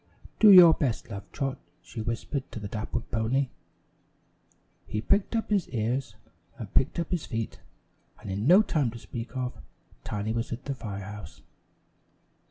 "Do your best, Love Trot," she whispered to the dappled pony. He pricked up his ears, and picked up his feet, and in no time to speak of Tiny was at the fire house.